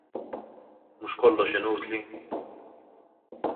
Mhux kollox inutli?